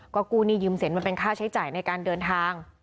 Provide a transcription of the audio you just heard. ก็กู้หนี้ยืมสินมาเป็นค่าใช้จ่ายในการเดินทาง